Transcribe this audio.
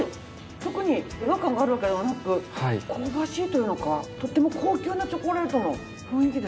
特に違和感があるわけではなく香ばしいというのかとても高級なチョコレートの雰囲気ですね。